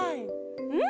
うん。